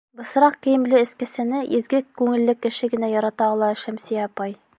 Бысраҡ кейемле эскесене изге күңелле кеше генә ярата ала, Шәмсиә апай.